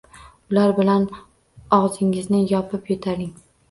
Ular bilan og‘zingizni yopib yo‘taling.